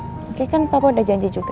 oke kan papa udah janji juga